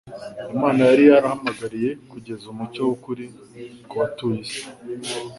Imana yari yarahamagariye kugeza umucyo w'ukuri ku batuye is